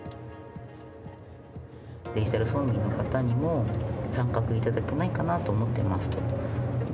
デジタル村民の方にも参画いただけないかなと思ってます。